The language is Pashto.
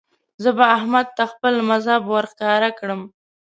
زه به احمد ته خپل مذهب ور ښکاره کړم.